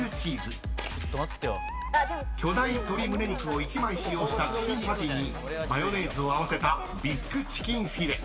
［巨大鶏胸肉を１枚使用したチキンパティにマヨネーズを合わせた］